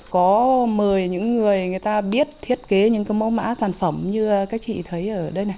có mời những người người ta biết thiết kế những cái mẫu mã sản phẩm như các chị thấy ở đây này